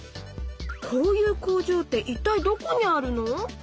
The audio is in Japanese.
こういう工場って一体どこにあるの？